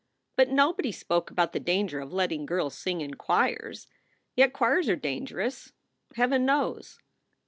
But nobody spoke about the danger of letting girls sing in choirs. Yet choirs are dangerous, Heaven knows."